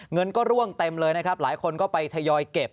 เงินก็ร่วงเต็มเลยนะครับหลายคนก็ไปทยอยเก็บ